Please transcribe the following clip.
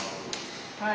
はい。